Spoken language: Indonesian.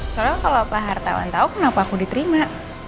soalnya kalo pak hartawan tau kenapa aku diterima